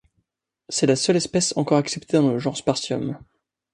C'est la seule espèce encore acceptée dans le genre Spartium.